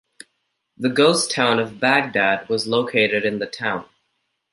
The ghost town of Bagdad was located in the town.